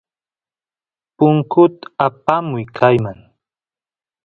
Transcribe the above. punkut apamuy kayman